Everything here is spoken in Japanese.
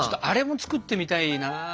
あれも作ってみたいな。